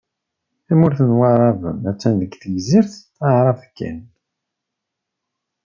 Tamurt n Waεraben attan deg Tegzirt Taεrabt kan.